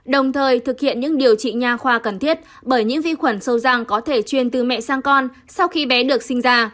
đồng thời thực hiện những điều trị nha khoa cần thiết bởi những vi khuẩn sâu răng có thể truyền từ mẹ sang con sau khi bé được sinh ra